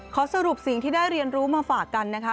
สรุปสิ่งที่ได้เรียนรู้มาฝากกันนะคะ